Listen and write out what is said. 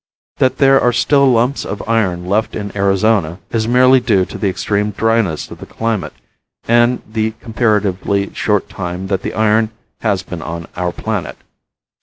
That there are still lumps of iron left in Arizona is merely due to the extreme dryness of the climate and the comparatively short time that the iron has been on our planet.